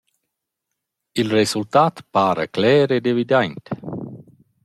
Il resultat para cler ed evidaint.